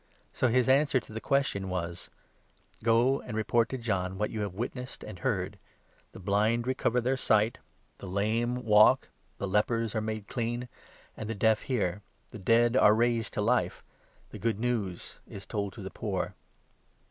So his answer to the question was : 22 " Go and report to John what you have witnessed and heard — the blind recover their sight, the lame walk, the lepers are made clean, and the deaf hear, the dead are raised to life, the Good News is told to the poor.